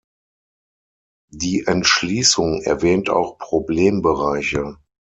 Die Entschließung erwähnt auch Problembereiche.